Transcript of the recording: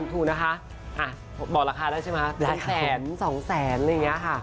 คุณผู้ชมไม่เจนเลยค่ะถ้าลูกคุณออกมาได้มั้ยคะ